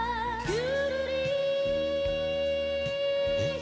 え。